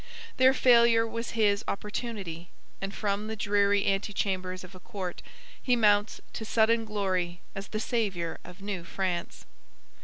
Their failure was his opportunity, and from the dreary antechambers of a court he mounts to sudden glory as the saviour of New France.